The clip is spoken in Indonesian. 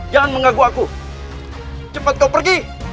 jangan mengganggu aku cepat kau pergi